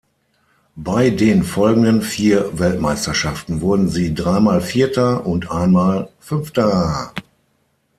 Bei den folgenden vier Weltmeisterschaften wurden sie dreimal Vierter und einmal Fünfter.